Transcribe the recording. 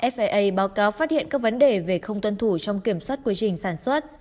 faa báo cáo phát hiện các vấn đề về không tuân thủ trong kiểm soát quy trình sản xuất